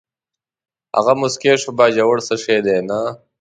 هغه موسکی شو: باجوړ څه شی دی، نه.